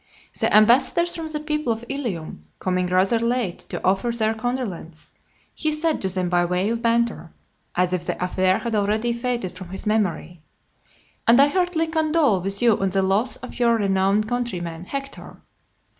The ambassadors from the people of Ilium coming rather late to offer their condolence, he said to them by way of banter, as if the affair had already faded from his memory, "And I heartily condole with you on the loss of your renowned countryman, Hector."